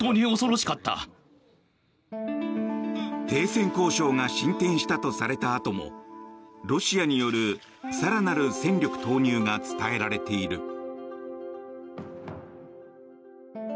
停戦交渉が進展したとされたあともロシアによる更なる戦力投入が伝えられている。